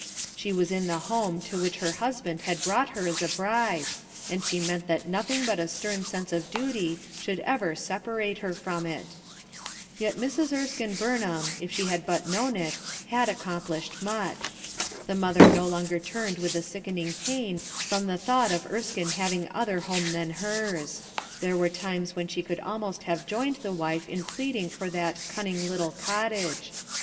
She was in the home to which her husband had brought her as a bride, and she meant that nothing but a stern sense of duty should ever separate her from it. Yet Mrs. Erskine Burnham, if she had but known it, had accomplished much. The mother no longer turned with a sickening pain from the thought of Erskine having other home than hers. There were times when she could almost have joined his wife in pleading for that "cunning little cottage."